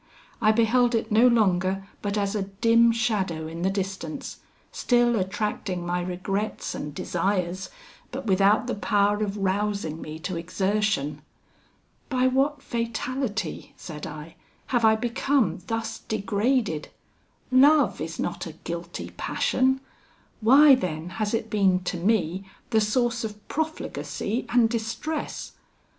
I beheld it no longer but as a dim shadow in the distance, still attracting my regrets and desires, but without the power of rousing me to exertion. 'By what fatality,' said I, 'have I become thus degraded? Love is not a guilty passion! why then has it been to me the source of profligacy and distress?